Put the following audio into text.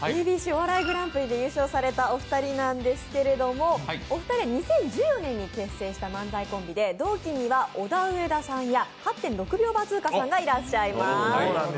「ＡＢＣお笑いグランプリ」で優勝したお二人なんですけれども、お二人は２０１０年に結成した漫才コンビで、動機にはオダウエダさんや８．６秒バズーカーさんがいらっしゃいます。